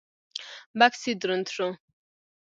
بکس يې دروند شو.